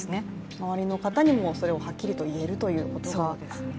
周りの方にもそれをはっきりと言えるということですね。